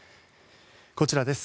こちらです。